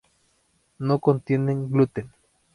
No contiene gluten.